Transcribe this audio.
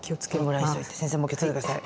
先生も気をつけて下さい。